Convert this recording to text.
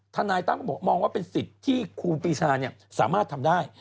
ทนายตั้มก็บอกมองว่าเป็นสิทธิ์ที่ครูปีชาสามารถทำได้